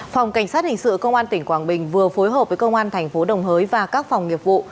phòng cảnh sát hành sự công an tỉnh quảng bình vừa phối hợp với công an tp đồng hới và các phòng nghiệp vụ